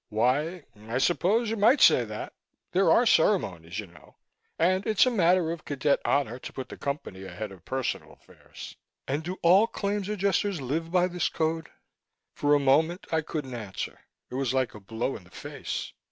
"Why, I suppose you might say that. There are ceremonies, you know. And it's a matter of cadet honor to put the Company ahead of personal affairs." "And do all Claims Adjusters live by this code?" For a moment I couldn't answer. It was like a blow in the face.